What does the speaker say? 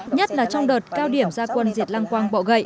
nhất là trong đợt cao điểm gia quân giết lăng quang bò gầy